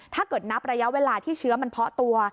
ถ้าเกิดนับระยะเวลาที่เชื้อมันเพาะตัว